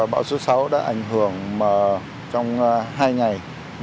bão số sáu đã ảnh hưởng trong hai ngày